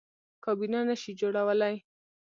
کابینه نه شي جوړولی.